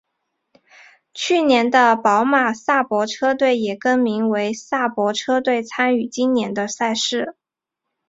去年的宝马萨伯车队也更名为萨伯车队参与今年的赛事。